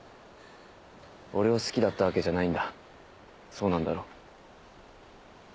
俺を好きだったわけじゃないんだそうなんだろう？